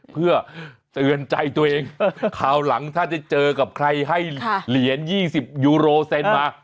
เพื่อเตือนใจตัวเองคราวหลังถ้าจะเจอกับใครให้เหรียญ๒๐ยูโรเซนมา